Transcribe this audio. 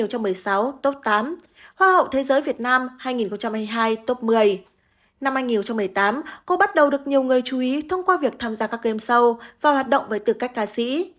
hoa hậu thế giới việt nam năm hai nghìn một mươi tám cô bắt đầu được nhiều người chú ý thông qua việc tham gia các game sâu và hoạt động với tư cách ca sĩ